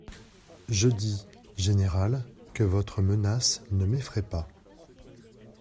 Je dis, général, que votre menace ne m’effraye pas !